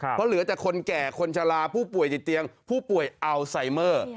เพราะเหลือแต่คนแก่คนชะลาผู้ป่วยติดเตียงผู้ป่วยอัลไซเมอร์